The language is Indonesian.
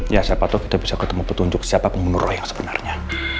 ya siapa tau kita bisa ketemu petunjuk siapa pengundur roh yang sebenarnya